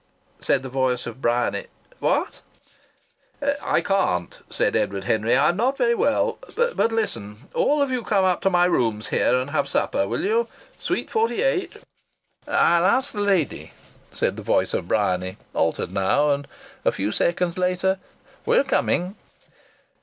Said the voice of Bryany: "What?" "I can't," said Edward Henry. "I'm not very well. But listen. All of you come up to my rooms here and have supper, will you? Suite 48." "I'll ask the lady," said the voice of Bryany, altered now, and a few seconds later: "We're coming."